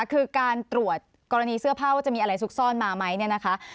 คือการตรวจกรณีเสื้อผ้าว่าจะมีอะไรซุกซ่อนมาไหมเนี่ยนะคะ